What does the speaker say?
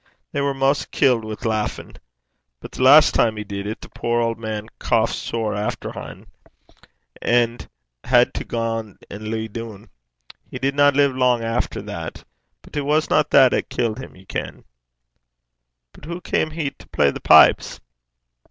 They were maist killed wi' lauchin'. But the last time he did it, the puir auld man hostit (coughed) sair efterhin, and had to gang and lie doon. He didna live lang efter that. But it wasna that 'at killed him, ye ken.' 'But hoo cam he to play the pipes?'